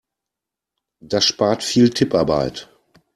Das spart viel Tipparbeit.